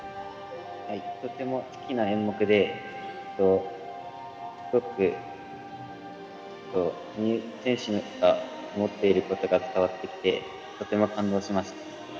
とっても好きな演目で、すごく羽生選手が思っていることが伝わってきて、とても感動しま